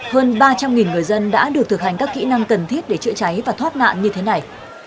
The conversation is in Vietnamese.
hơn ba trăm linh người dân đã được thực hành các kỹ năng cần thiết để chữa cháy và thoát nạn như thế này